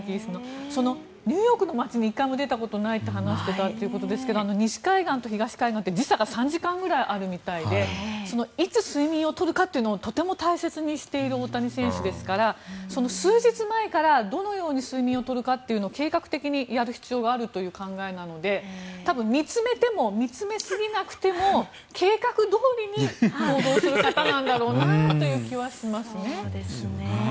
ニューヨークの街に１回も出たことがないと話していたということですが西海岸と東海岸で時差が３時間ぐらいあるみたいでいつ睡眠を取るかというのもとても大切にしている大谷選手ですから数日前から、どのように睡眠を取るかというのを計画的にやる必要があるという考えなので多分、見つめても見つめすぎなくても計画どおりに行動する方なんだろうなという気はします。